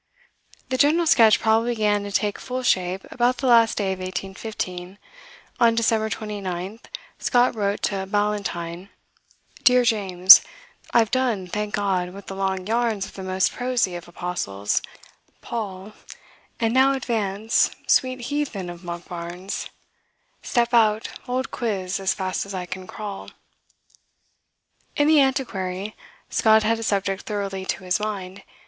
The general sketch probably began to take full shape about the last day of 1815. On December 29 Scott wrote to Ballantyne: DEAR JAMES, I've done, thank'God, with the long yarns Of the most prosy of Apostles Paul, 1 And now advance, sweet heathen of Monkbarns, Step out, old quizz, as fast as I can scrawl. In "The Antiquary" Scott had a subject thoroughly to his mind.